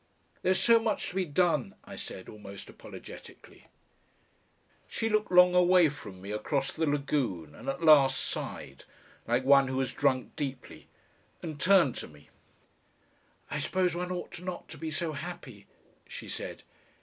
"There is so much to be done," I said, almost apologetically. She looked long away from me across the lagoon and at last sighed, like one who has drunk deeply, and turned to me. "I suppose one ought not to be so happy," she said.